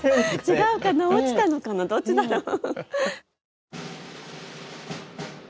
違うのかな落ちたのかなどっちだろう。